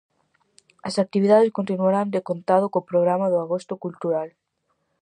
As actividades continuarán decontado co programa do agosto cultural.